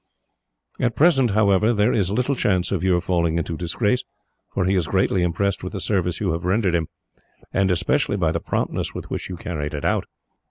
"At present, however, there is little chance of your falling into disgrace, for he is greatly impressed with the service you have rendered him, and especially by the promptness with which you carried it out.